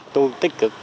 tôi tích cực